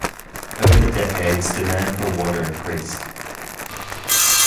Over the decades, demand for water increased.